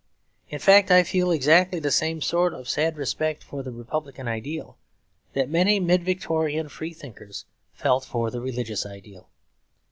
In fact I feel exactly the same sort of sad respect for the republican ideal that many mid Victorian free thinkers felt for the religious ideal.